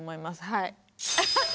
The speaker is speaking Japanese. はい。